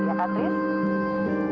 iya kak ris